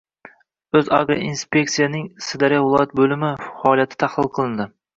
“O‘zagroinspeksiya”ning Sirdaryo viloyat bo‘limi faoliyati tahlil qilinding